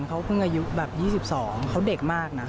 พอพึ่งอายุ๒๒เขาเด็กมากนะ